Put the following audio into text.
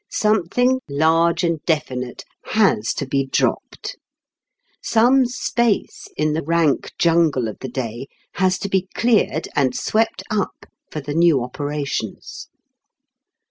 Something large and definite has to be dropped. Some space in the rank jungle of the day has to be cleared and swept up for the new operations.